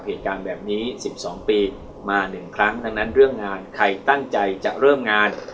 เหตุการณ์แบบนี้๑๒ปีมา๑ครั้งดังนั้นเรื่องงานใครตั้งใจจะเริ่มงาน